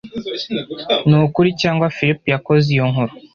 Nukuri cyangwa Philip yakoze iyo nkuru?